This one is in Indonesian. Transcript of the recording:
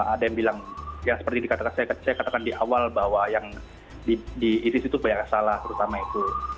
ada yang bilang yang seperti dikatakan saya katakan di awal bahwa yang di isis itu banyak yang salah terutama itu